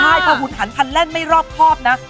ใช่พอหุ่นหันพันแล่นไม่รอบครอบนะ